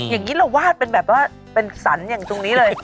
อย่างนี้เราวาดเป็นแบบว่าเป็นสรรอย่างตรงนี้เลย